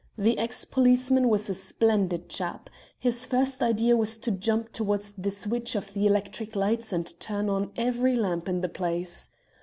The ex policeman was a splendid chap. His first idea was to jump towards the switch of the electric lights and turn on every lamp in the place.